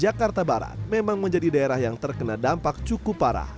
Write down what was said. jakarta barat memang menjadi daerah yang terkena dampak cukup parah